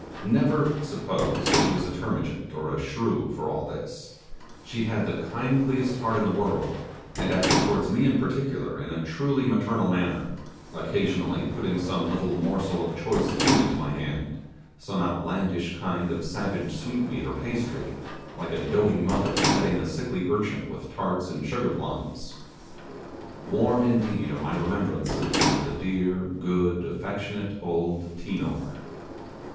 Never suppose that she was a termagant or a shrew for all this; she had the kindliest heart in the world, and acted towards me in particular in a truly maternal manner, occasionally putting some little morsel of choice food into my hand, some outlandish kind of savage sweetmeat or pastry, like a doting mother petting a sickly urchin with tarts and sugar plums. Warm indeed are my remembrances of the dear, good, affectionate old Tinor!